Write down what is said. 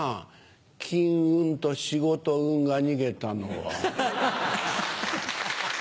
金運と仕事運が逃げたのは。